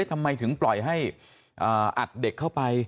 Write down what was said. ทำไมถึงปล่อยให้อัดเด็กเข้าไป